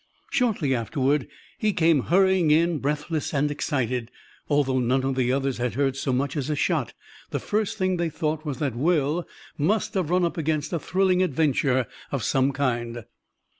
Shortly afterward he came hurrying in, breathless and excited. Although none of the others had heard so much as a shot, the first thing they thought was that Will must have run up against a thrilling adventure of some kind.